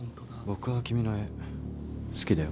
僕は君の絵好きだよ。